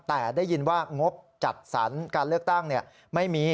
แต่ได้ยินว่างบจัดสรรการเลือกตั้งไม่มี